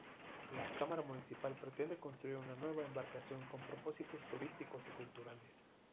La Cámara Municipal pretende construir una nueva embarcación con propósitos turísticos y culturales.